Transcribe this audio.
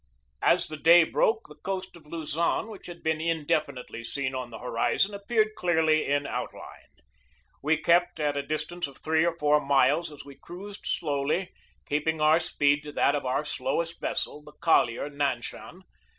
As the day broke the coast of Luzon, which had been indefinitely seen on the horizon, appeared clearly in outline. We kept at a distance of three or four miles as we cruised slowly, keeping our speed to that of our slowest vessel, the collier Nanshan.